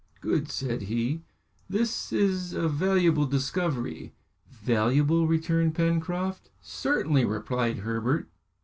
"Good," said he; "this is a valuable discovery." "Valuable?" returned Pencroft. "Certainly," replied Herbert.